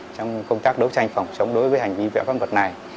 trong công tác đấu tranh phòng chống đối với hành vi vi phạm luật này